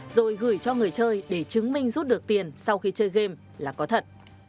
rồi gửi cho người chơi để chứng minh rút được tiền sau khi chơi game là có thật